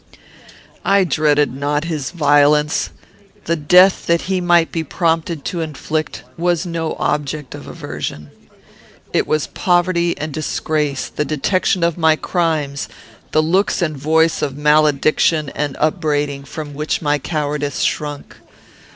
I dreaded not his violence. The death that he might be prompted to inflict was no object of aversion. It was poverty and disgrace, the detection of my crimes, the looks and voice of malediction and upbraiding, from which my cowardice shrunk.